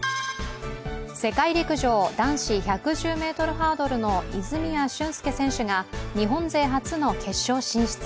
世界陸上、男子１１０ｍハードルの泉谷駿介選手が日本勢初の決勝進出。